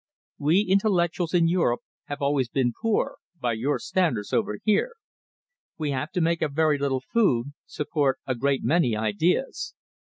"We intellectuals in Europe have always been poor, by your standards over here. We have to make a very little food support a great many ideas.